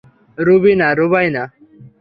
Ruby না, রুবাইনা।